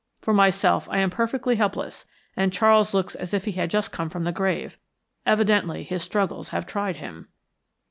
For myself, I am perfectly helpless, and Charles looks as if he had just come from the grave. Evidently his struggles have tried him."